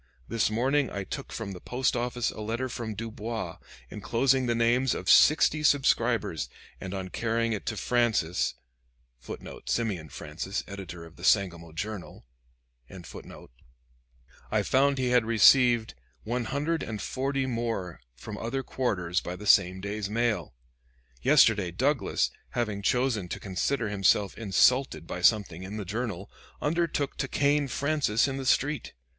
This morning I took from the post office a letter from Dubois, inclosing the names of sixty subscribers, and on carrying it to Francis [Simeon Francis, editor of the 'Sangamo Journal'] I found he had received one hundred and forty more from other quarters by the same day's mail.... Yesterday Douglas, having chosen to consider himself insulted by something in the 'Journal,' undertook to cane Francis in the street.